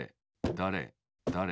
だれだれ